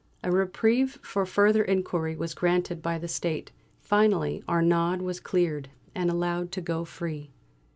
A reprieve for further inquiry was granted by the State. Finally Arnaud was cleared, and allowed to go free.